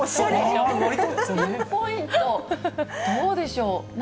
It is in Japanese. どうでしょう？